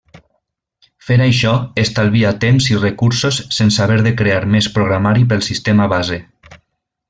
Fer això estalvia temps i recursos sense haver de crear més programari pel sistema base.